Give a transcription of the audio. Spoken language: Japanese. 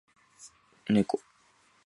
猫